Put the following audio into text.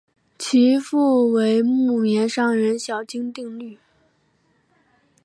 其父为木棉商人小津定利。